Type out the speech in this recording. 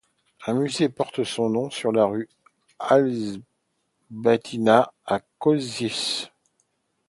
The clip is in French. Un musée porte son nom sur la rue Alžbetiná à Košice.